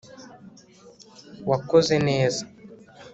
wakoze neza